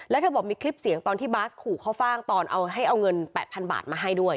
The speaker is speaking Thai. แล้วเธอบอกมีคลิปเสียงตอนที่บาสขู่เข้าฟ่างตอนเอาให้เอาเงิน๘๐๐๐บาทมาให้ด้วย